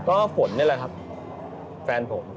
ก็ฝนนี่แหละครับแฟนผม